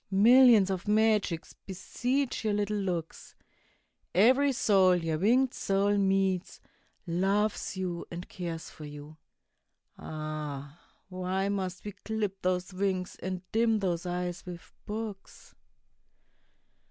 Millions of magics beseech your little looks; Every soul your winged soul meets, loves you and cares for you. Ah! why must we clip those wings and dim those eyes with books?